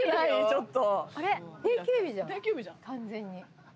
ちょっと。